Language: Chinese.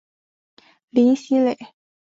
林熙蕾。